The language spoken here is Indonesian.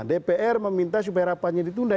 dpr meminta supaya rapatnya ditunda